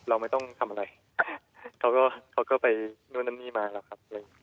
เราไม่ต้องทำอะไรเขาก็เขาก็ไปนู่นนั่นนี่มาแล้วครับ